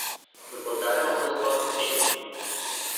După care au fost patru tineri.